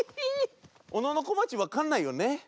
おののこまちわかんないよね？